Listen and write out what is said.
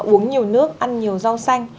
uống nhiều nước ăn nhiều rau xanh